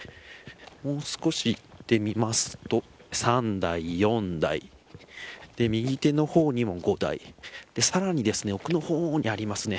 もう少し行ってみますと３台、４台右手の方にも５台さらに、奥の方にありますね